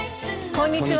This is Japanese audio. こんにちは。